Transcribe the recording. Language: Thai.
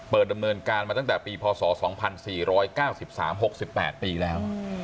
ดำเนินการมาตั้งแต่ปีพศ๒๔๙๓๖๘ปีแล้ว